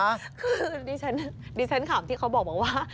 คือดิฉันดิฉันขอบที่เขาบอกบอกว่า